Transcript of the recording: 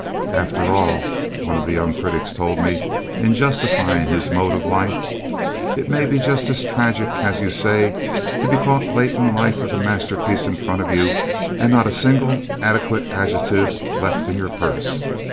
"After all," one of the young critics told me in justifying his mode of life, "it may be just as tragic as you say to be caught late in life with a masterpiece in front of you and not a single adequate adjective left in your purse.